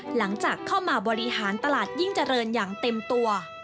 หลังจากเข้ามาบริหารตลาดยิ่งเจริญอย่างเต็มตัว